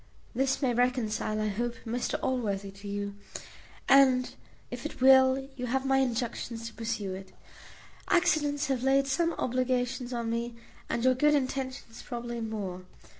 This may reconcile, I hope, Mr Allworthy to you; and if it will, you have my injunctions to pursue it. Accidents have laid some obligations on me, and your good intentions probably more.